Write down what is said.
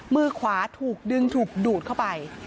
มือขวาถูกดึงถูกดูดเข้าไป